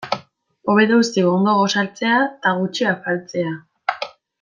Hobe duzu ondo gosaltzea eta gutxi afaltzea.